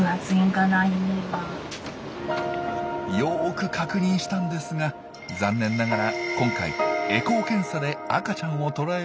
よく確認したんですが残念ながら今回エコー検査で赤ちゃんを捉えることはできず。